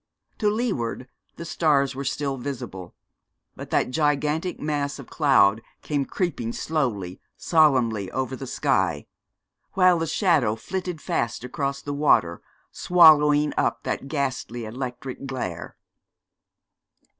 To leeward the stars were still visible; but that gigantic mass of cloud came creeping slowly, solemnly over the sky, while the shadow flitted fast across the water, swallowing up that ghastly electric glare.